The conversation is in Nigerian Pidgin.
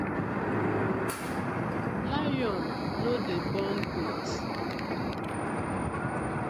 Lion no dey born goat.